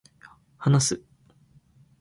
話す